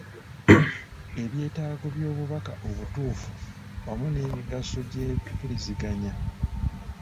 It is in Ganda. Ebyetaago by’obubaka obutuufu wamu n’emigaso gy’empuliziganya.